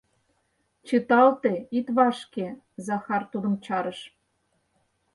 — Чыталте, ит вашке, — Захар тудым чарыш.